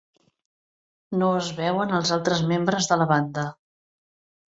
No es veuen els altres membres de la banda.